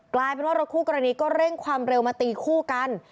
กลายเป็นว่ารถคู่กรณีก็เร่งความเร็วมาตีคู่กัน